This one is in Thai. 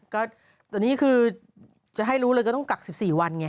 ก็แต่นี่คือจะให้รู้เลยก็ต้องกัก๑๔วันไง